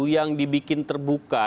yang dibuat terbuka